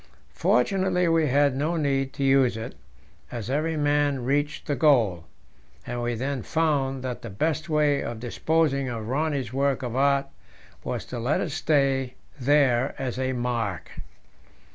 Fortunately we had no need to use it, as every man reached the goal; and we then found that the best way of disposing of Rönne's work of art was to let it stay there as a mark.